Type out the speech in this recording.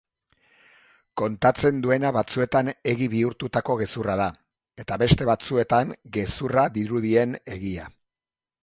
Kontatzen duena batzuetan egi bihurtutako gezurra da eta beste batzuetan gezurra dirudien egia.